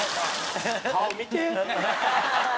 顔見て。